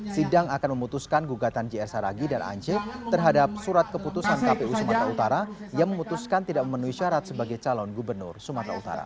sidang akan memutuskan gugatan jr saragi dan ance terhadap surat keputusan kpu sumatera utara yang memutuskan tidak memenuhi syarat sebagai calon gubernur sumatera utara